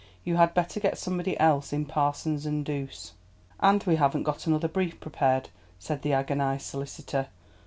You had better get somebody else in Parsons and Douse." "And we haven't got another brief prepared," said the agonised solicitor.